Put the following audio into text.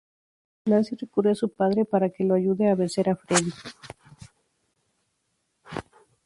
Nancy recurre a su padre para que la ayude a vencer a Freddy.